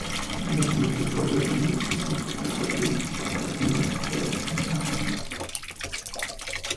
Entre tanto Deportes Rengo desciende a la Cuarta División, para la misma temporada mencionada.